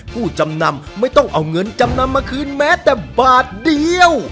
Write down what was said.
ผู้จำนำไม่ต้องเอาเงินจำนำมาคืนแม้แต่บาทเดียว